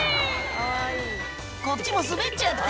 「こっちも滑っちゃって」